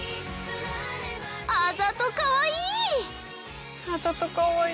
あざとかわいい！！